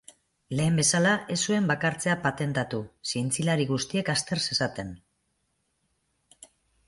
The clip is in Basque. Lehen bezala, ez zuen bakartzea patentatu, zientzialari guztiek azter zezaten.